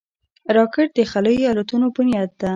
راکټ د خلایي الوتنو بنیاد ده